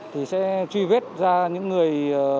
thì sẽ truy vết ra những người